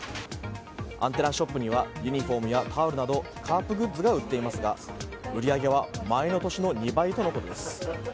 アンテナショップにはユニホームやタオルなどカープグッズが売っていますが売り上げは前の年の２倍とのことです。